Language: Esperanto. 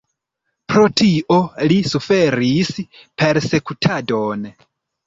Pro tio li suferis persekutadon.